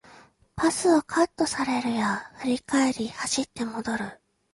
パスをカットされるや振り返り走って戻る